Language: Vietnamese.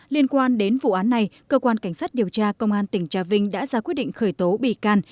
liên quan đến vụ án này cơ quan cảnh sát điều tra công an tỉnh trà vinh đã ra quyết định khởi tố bị can